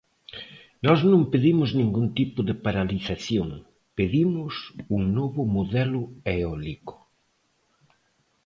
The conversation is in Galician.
Nós non pedimos ningún tipo de paralización, pedimos un novo modelo eólico.